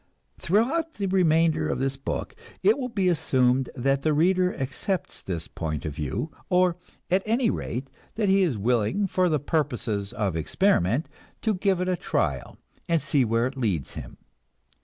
Throughout the remainder of this book it will be assumed that the reader accepts this point of view, or, at any rate, that he is willing for purposes of experiment to give it a trial and see where it leads him.